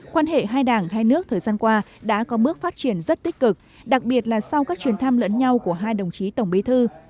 quan hệ hai đảng hai nước thời gian qua đã có bước phát triển rất tích cực đặc biệt là sau các chuyến thăm lẫn nhau của hai đồng chí tổng bí thư